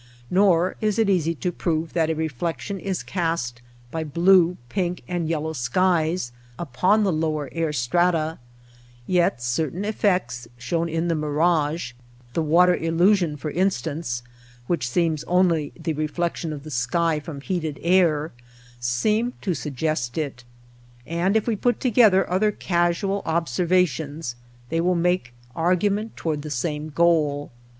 Nor is it easy to prove that a reflection is cast by blue, pink, and yellow skies, upon the lower air strata, yet certain effects shown in the mirage (the water illu sion, for instance, which seems only the reflec tion of the sky from heated air) seem to suggest it. And if we put together other casual obser vations they will make argument toward the same goal.